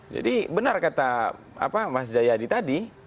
jadi benar kata mas jayadi tadi